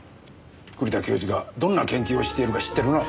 栗田教授がどんな研究をしているか知ってるな？